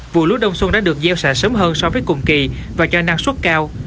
vụ lút đông xuân đã được gieo xả sớm hơn so với cùng kỳ và cho năng suất cao